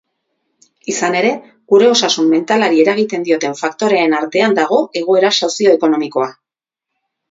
Izan ere, gure osasun mentalari eragiten dioten faktoreen artean dago egoera sozioekonomikoa.